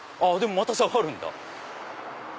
また下がるんだ。